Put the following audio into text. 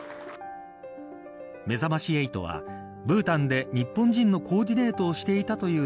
めざまし８はブータンで日本人のコーディネートをしていたという